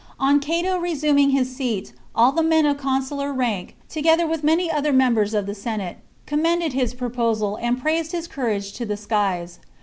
On Cato resuming his seat, all the/tnen of consular rank, together with many other members of the Senate, commended his proposal, and praised his courage to the skies.